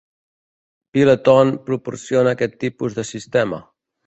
Pilottone proporciona aquest tipus de sistema.